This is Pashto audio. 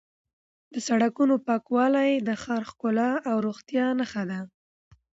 د سړکونو پاکوالی د ښار ښکلا او روغتیا نښه ده.